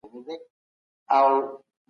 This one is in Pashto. دا ستا تصویر به پر پيسو چاپ وي مئینه